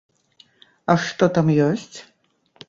А што там ёсць?